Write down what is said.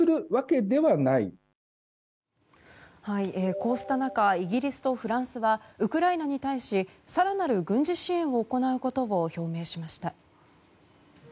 こうした中イギリスとフランスはウクライナに対し更なる軍事支援を行うことを表明しました。